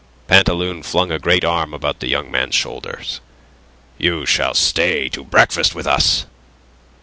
Pantaloon flung a great arm about the young man's shoulders. "You shall stay to breakfast with us."